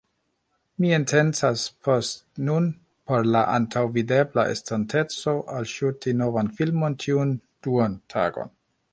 Mi intencas post nun por la antaŭvidebla estonteco alŝuti novan filmon ĉiun duan tagon